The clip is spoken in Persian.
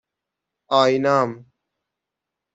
آینام